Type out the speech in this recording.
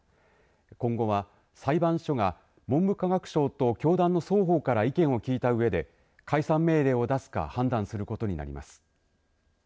今後は裁判所が文部科学省と教団の双方から意見を聞いたうえで解散命令を出すか判断することになります。